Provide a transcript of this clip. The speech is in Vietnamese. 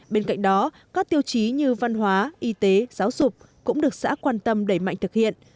bên cạnh đó các tiêu chí như văn hóa y tế giáo dục cũng được xã quan tâm đẩy mạnh thực hiện